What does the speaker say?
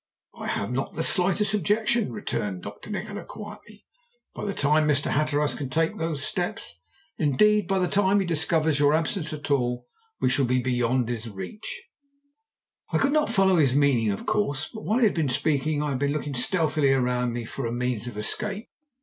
"'I have not the slightest objection,' returned Dr. Nikola quietly. 'By the time Mr. Hatteras can take those steps indeed, by the time he discovers your absence at all we shall be beyond his reach.' "I could not follow his meaning, of course, but while he had been speaking I had been looking stealthily round me for a means of escape.